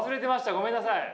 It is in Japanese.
ごめんなさい。